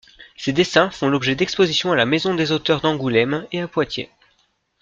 Ses dessins font l'objet d'expositions à la Maison des Auteurs d'Angoulême et à Poitiers.